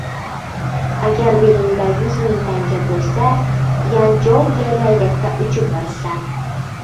• Agar belingda yuz ming tanga bo‘lsa, Yanchjouga laylakda uchib borasan.